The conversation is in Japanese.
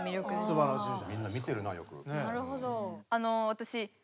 すばらしいよ。